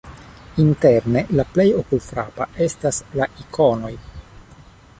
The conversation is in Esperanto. Interne la plej okulfrapa estas la ikonoj.